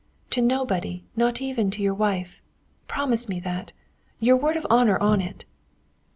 To nobody, not even to your wife! Promise me that! Your word of honour on it!"